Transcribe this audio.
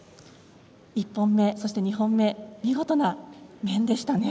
１本目、そして２本目見事な面でしたね。